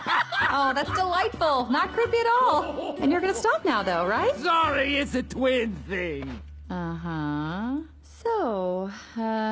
あらそう。